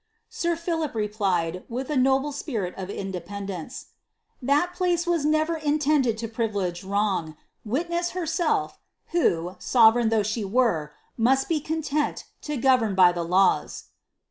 Sir Philip replied, with a noble spirit c^ independence, " that place was never intended to privilege wrong — wit ness herself, who, soverei^ though she were, must be content lo govern by the laws."